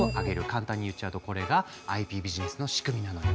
簡単に言っちゃうとこれがＩＰビジネスの仕組みなのよ。